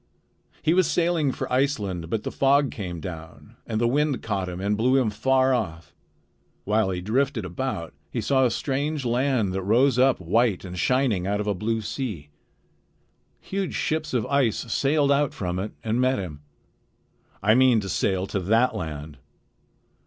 He was sailing for Iceland, but the fog came down, and then the wind caught him and blew him far off. While he drifted about he saw a strange land that rose up white and shining out of a blue sea. Huge ships of ice sailed out from it and met him. I mean to sail to that land."